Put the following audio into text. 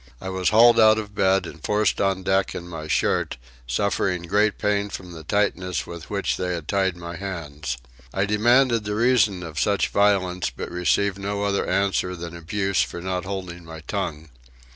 I was hauled out of bed and forced on deck in my shirt, suffering great pain from the tightness which with they had tied my hands. I demanded the reason of such violence but received no other answer than abuse for not holding my tongue.